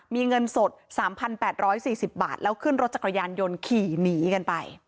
มีเงินสดสามพันแปดร้อยสี่สิบบาทแล้วขึ้นรถจักรยานยนต์ขี่หนีกันไป